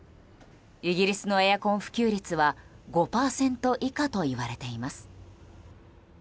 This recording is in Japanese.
イギリスのエアコン普及率は５％以下といわれています。